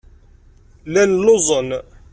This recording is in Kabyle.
Llan lluẓen.